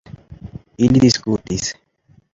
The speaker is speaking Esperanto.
Ili diskutis.